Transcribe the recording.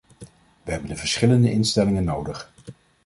We hebben de verschillende instellingen nodig.